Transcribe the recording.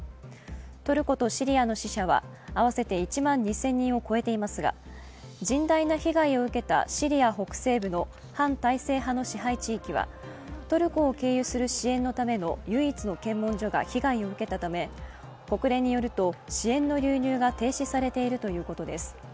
トルコとシリアの死者は合わせて１万２０００人を超えていますが甚大な被害を受けたシリア北西部の反体制派の支配地域はトルコを経由する支援のための唯一の検問所が被害を受けたため、国連によると、支援の流入が停止されているということです。